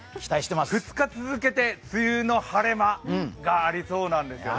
２日続けて梅雨の晴れ間がありそうなんですよね。